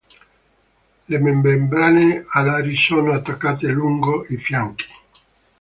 Le membrane alari sono attaccate lungo i fianchi.